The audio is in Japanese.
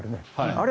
あれ。